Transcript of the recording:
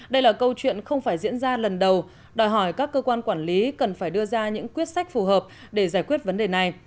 đây là câu chuyện không phải diễn ra lần đầu đòi hỏi các cơ quan quản lý cần phải đưa ra những quyết sách phù hợp để giải quyết vấn đề này